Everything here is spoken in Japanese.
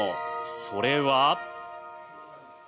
それは。